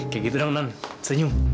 kayak gitu dong nan senyum